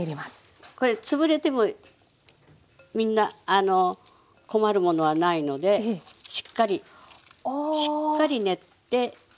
これ潰れてもみんな困るものはないのでしっかりしっかり練って粘りを出します。